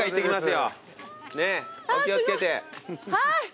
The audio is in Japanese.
はい！